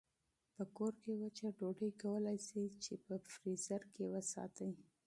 په کور کې وچه ډوډۍ کولای شئ چې په فریزر کې وساتئ.